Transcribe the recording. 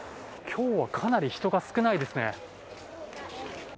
今日はかなり人が少ないですね。